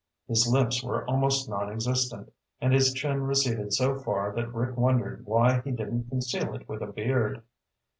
His lips were almost nonexistent, and his chin receded so far that Rick wondered why he didn't conceal it with a beard.